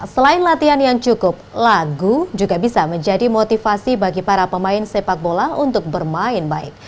selain latihan yang cukup lagu juga bisa menjadi motivasi bagi para pemain sepak bola untuk bermain baik